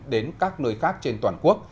đến các nơi khác trên toàn quốc